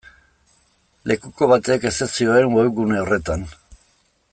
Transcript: Lekuko batek ezetz zioen webgune horretan.